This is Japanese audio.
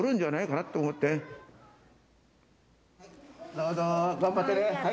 どうぞ頑張ってね。